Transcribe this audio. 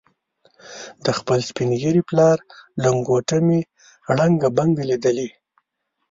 د خپل سپین ږیري پلار لنګوټه مې ړنګه بنګه لیدلې.